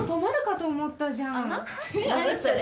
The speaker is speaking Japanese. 何それ？